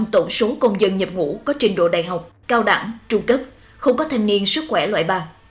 bốn mươi tám tổ số công dân nhập ngũ có trình độ đại học cao đẳng trung cấp không có thanh niên sức khỏe loại ba